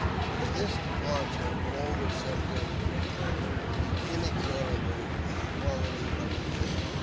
From this departure all were subject to the inexorable equality of the camp.